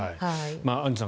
アンジュさん